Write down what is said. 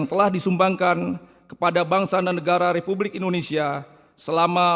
raya kebangsaan indonesia raya